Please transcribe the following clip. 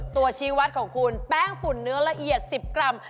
ชีวัตรของคุณแป้งฝุ่นเนื้อละเอียด๑๐กรัม